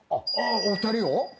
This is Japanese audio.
お二人を？